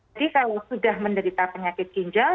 jadi kalau sudah menderita penyakit ginjal